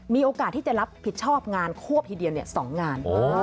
มีโอกาสที่จะรับผิดชอบงานควบทีเดียว๒งาน